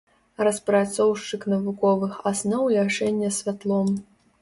Распрацоўшчык навуковых асноў лячэння святлом.